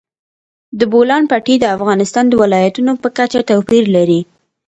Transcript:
د بولان پټي د افغانستان د ولایاتو په کچه توپیر لري.